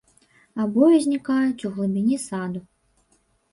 Абое знікаюць у глыбіні саду.